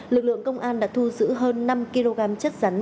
lực lượng công an đã thu giữ hơn năm kg chất rắn